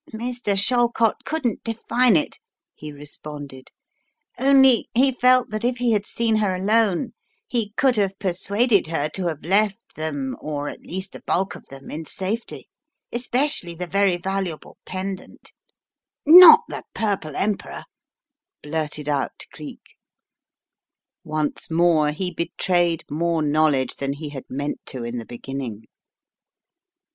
"Mr. Shallcott couldn't define it," he responded, "only he felt that if he had seen her alone he could have persuaded her to have left them or at least the bulk of them in safety. Especially the very valuable pendant " "Not the Purple Emperor!" blurted out Cleek Complications and Complexities 95 Once more he betrayed more knowledge than he h&d meant to in the beginning.